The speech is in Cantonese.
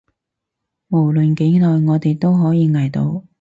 無論幾耐，我哋都可以捱到